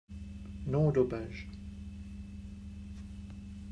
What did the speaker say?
Non au dopage